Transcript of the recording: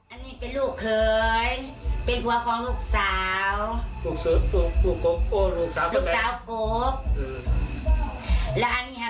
อันนี้เป็นลูกเกยเป็นหัวของลูกสาวลูกสาวกกและอันนี้ฮะ